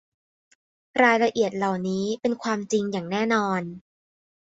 รายละเอียดเหล่านี้เป็นความจริงอย่างแน่นอน